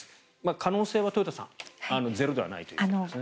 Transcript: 可能性は豊田さんゼロではないということですね。